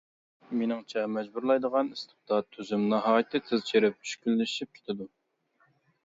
مېنىڭچە، مەجبۇرلايدىغان ئىستىبدات تۈزۈم ناھايىتى تېز چىرىپ چۈشكۈنلىشىپ كېتىدۇ.